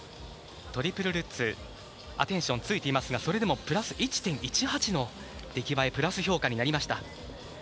トリプルルッツアテンションついていますがそれでもプラス１．１８の出来栄えプラス評価になりました。